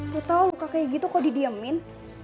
gak tau luka kayak gitu kok didiamin